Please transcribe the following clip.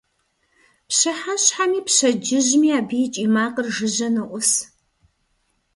Пщыхьэщхьэми пщэдджыжьми абы и кӀий макъыр жыжьэ ноӀус.